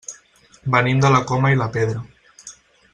Venim de la Coma i la Pedra.